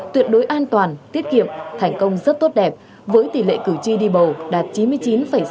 tuyệt đối an toàn tiết kiệm thành công rất tốt đẹp với tỷ lệ cử tri đi bầu đạt chín mươi chín sáu mươi sáu